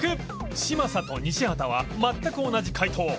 嶋佐と西畑は全く同じ解答